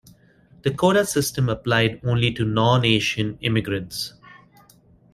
The quota system applied only to non-Asian immigrants.